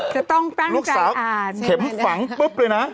จะต้องตั้งใจอ่านลูกสาวเข็มฝังปุ๊บเลยนะ